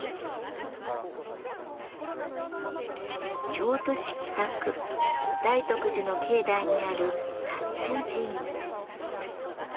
京都市北区大徳寺の境内にある塔頭寺院。